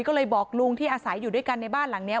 ก็เลยบอกลุงที่อาศัยอยู่ด้วยกันในบ้านหลังนี้